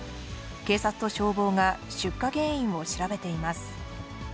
警察と消防が出火原因を調べています。